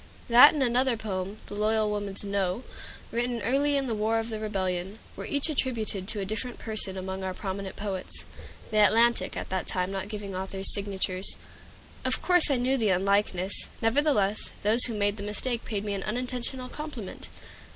That and another poem, "The Loyal Woman's No," written early in the War of the Rebellion, were each attributed to a different person among our prominent poets, the "Atlantic" at that time not giving authors' signatures. Of course I knew the unlikeness; nevertheless, those who made the mistake paid me an unintentional compliment.